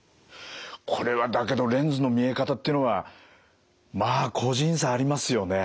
これはだけどレンズの見え方っていうのはまあ個人差ありますよね。